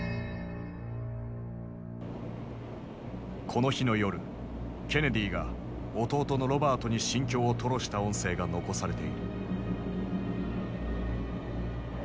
この日の夜ケネディが弟のロバートに心境を吐露した音声が残されている。